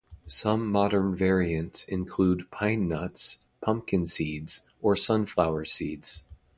Some modern variants include pine nuts, pumpkin seeds or sunflower seeds.